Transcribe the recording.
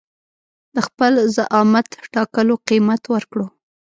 د خپل زعامت ټاکلو قيمت ورکړو.